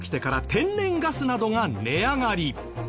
天然ガスなどが値上がり。